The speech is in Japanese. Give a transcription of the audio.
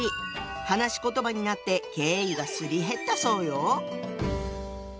話し言葉になって敬意がすり減ったそうよ。